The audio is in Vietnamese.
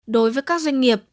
đối với các doanh nghiệp